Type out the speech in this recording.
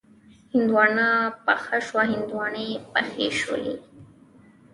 هندواڼه پخه شوه، هندواڼې پخې شولې